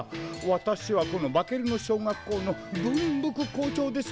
私はこのバケルノ小学校のブンブク校長です